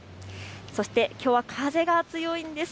そしてきょうは風が強いんです。